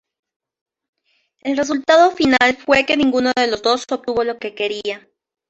El resultado final fue que ninguno de los dos obtuvo lo que quería.